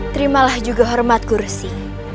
terimalah juga hormatku resi